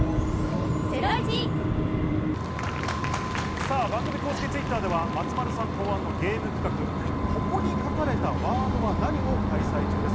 さぁ、番組公式Ｔｗｉｔｔｅｒでは松丸さん考案のゲーム企画「ここに書かれたワードは何？」を開催中です。